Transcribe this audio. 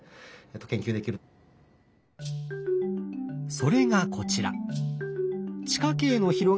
それがこちら。